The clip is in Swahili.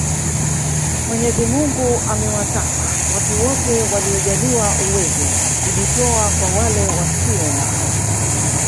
Mwenyezi Mungu amewataka watu wote waliojaliwa uwezo kujitoa kwa wale wasio nao